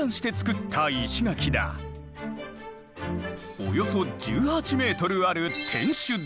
およそ１８ｍある天守台。